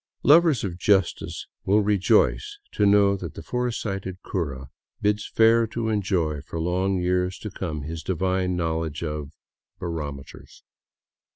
Lovers of justice will rejoice to know that the foresighted cura bids fair to enjoy for long years to come his divine — knowledge of barometers.